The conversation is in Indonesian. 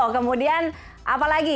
kemudian apa lagi